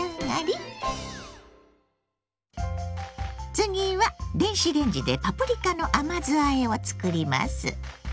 次は電子レンジでパプリカの甘酢あえを作ります。